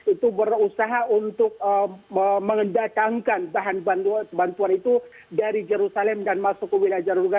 itu berusaha untuk mendatangkan bahan bantuan itu dari jerusalem dan masuk ke wilayah jaruga